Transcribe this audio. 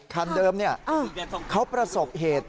คันเดิมเขาประสบเหตุ